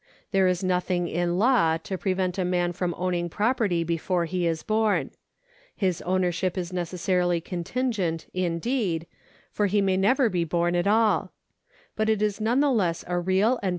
There is nothing in law to prevent a man from owning property before he is born. His ownership is necessarily contingent, indeed, for he may never be born at all ; but it is none the less a real and present ownership.